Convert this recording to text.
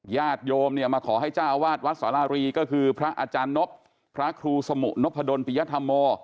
ญาติโยมเนี่ยมาขอให้เจ้าวาดวัดสารารีก็คือพระอาจารย์นบพระครูสมุนพดลปิยธรรมโม